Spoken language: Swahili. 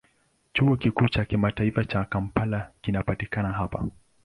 Chuo Kikuu cha Kimataifa cha Kampala kinapatikana hapa.